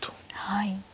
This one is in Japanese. はい。